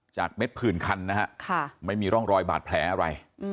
เม็ดผื่นคันนะฮะไม่มีร่องรอยบาดแผลอะไร